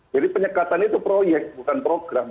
jadi penyekatan itu proyek bukan program